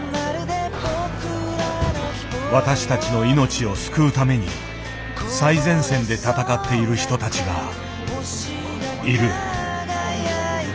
私たちの命を救うために最前線で闘っている人たちがいる。